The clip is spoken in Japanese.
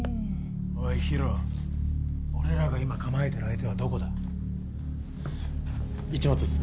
おいヒロ俺らが今構えてる相手はどこだ？市松っす。